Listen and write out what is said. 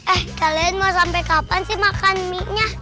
eh kalian mau sampai kapan sih makan mie nya